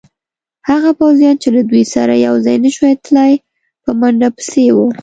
هغه پوځیان چې له دوی سره یوځای نه شوای تلای، په منډه پسې وو.